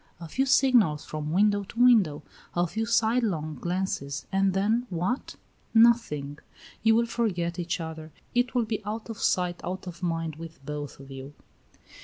A few signals from window to window; a few sidelong glances, and then what? Nothing. You will forget each other. It will be out of sight out of mind with both of you."